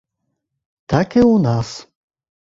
Так і ў нас.